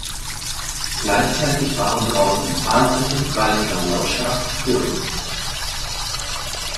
Gleichzeitig waren draussen zahlreiche Treichler lautstark zu hören.